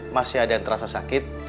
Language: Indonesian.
masih ada yang terasa sakit